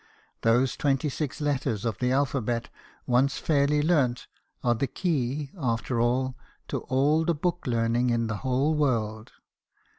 Those twenty six letters of the alphabet, once fairly learnt, are the key, after all, to all the book learning in the whole world.